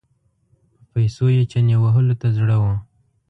په پیسو یې چنې وهلو ته زړه و.